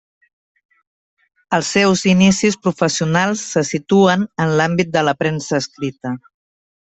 Els seus inicis professionals se situen en l'àmbit de la premsa escrita.